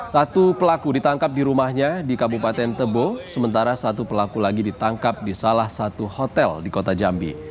satu pelaku ditangkap di rumahnya di kabupaten tebo sementara satu pelaku lagi ditangkap di salah satu hotel di kota jambi